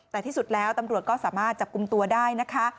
แต่ที่สุดแล้วตำรวจก็สามารถจับกลุ่มตัวได้นะคะ